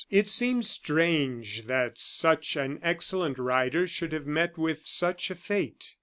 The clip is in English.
It seemed strange that such an excellent rider should have met with such a fate.